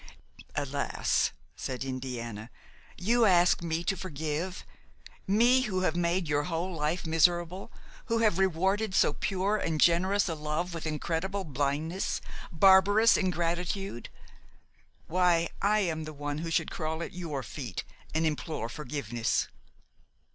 "Alas!" said Indiana, "you ask me to forgive! me who have made your whole life miserable, who have rewarded so pure and generous a love with incredible blindness, barbarous ingratitude! Why, I am the one who should crawl at your feet and implore forgiveness."